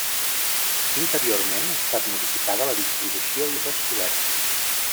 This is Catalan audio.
Interiorment ha estat modificada la distribució i les cobertes.